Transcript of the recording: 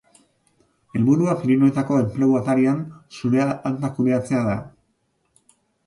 Helburua Pirinioetako Enplegu Atarian zure alta kudeatzea da.